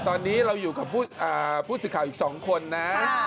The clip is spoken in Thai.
ตอนนี้เราอยู่กับผู้สื่อข่าวอีก๒คนนะ